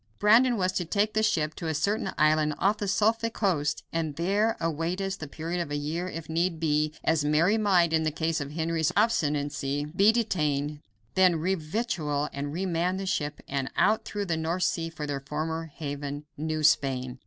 Brandon was to take the ship to a certain island off the Suffolk coast and there await us the period of a year if need be, as Mary might, in case of Henry's obstinacy, be detained; then re victual and re man the ship and out through the North Sea for their former haven, New Spain.